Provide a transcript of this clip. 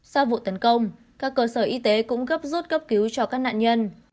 sau vụ tấn công các cơ sở y tế cũng gấp rút cấp cứu cho các nạn nhân